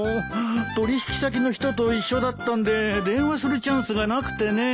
取引先の人と一緒だったんで電話するチャンスがなくてね。